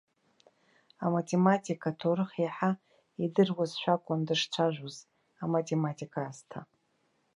Аматематик аҭоурых иаҳа идыруазшәа акәын дышцәажәоз, аматематика аасҭа.